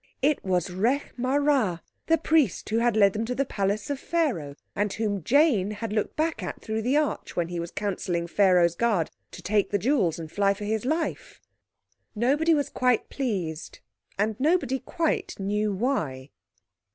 It was Rekh marā, the priest who had led them to the palace of Pharaoh—and whom Jane had looked back at through the arch, when he was counselling Pharaoh's guard to take the jewels and fly for his life. Nobody was quite pleased, and nobody quite knew why.